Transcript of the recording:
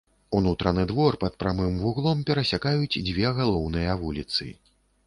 Унутраны двор пад прамым вуглом перасякаюць дзве галоўныя вуліцы.